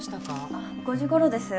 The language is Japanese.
あっ５時頃です。